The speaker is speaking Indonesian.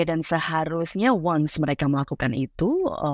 dan seharusnya ketika mereka melakukan itu